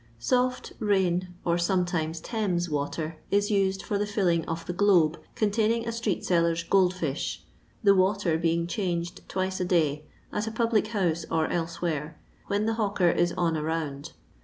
Soft, rain, or sometimes Thames water, is nsed for the filling df the globe containing a street seller's gold fish, the water being changed twice a day, at a pnbKe house or elsewhere, when the hawker ia on a round.